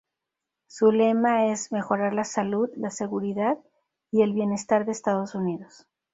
Su lema es ""Mejorar la salud, la seguridad y el bienestar de Estados Unidos"".